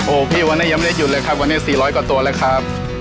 พี่วันนี้ยังไม่ได้หยุดเลยครับวันนี้๔๐๐กว่าตัวแล้วครับ